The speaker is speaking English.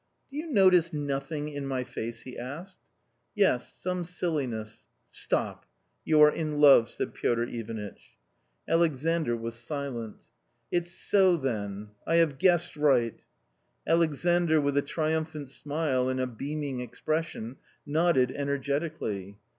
" Do you notice nothing in my face ?" he asked. " Yes, some silliness. ... Stop. ... y ou are in love, " said Piotr Ivanitch. _ ^Alexandr was silent. " It's soj then 7 _ I have guesge&righj; L" Alexandr with a triumphant smile and a beaming expression nodded energetically.